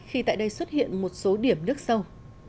khi tại đây xuất hiện một số điểm nước sâu